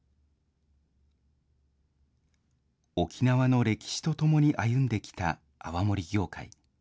沖縄の歴史と共に歩んできた泡盛業界。